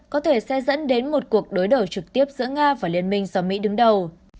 có thể sẽ dẫn đến một cuộc đối đầu trực tiếp giữa nga và liên minh do mỹ đứng đầu